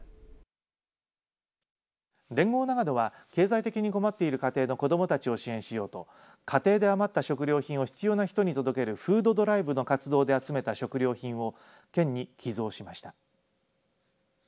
連合長野は経済的に困っている家庭の子どもたちを支援しようと家庭で余った食料品を必要な人に届けるフードドライブの活動で集めた食料品を県に寄贈しました。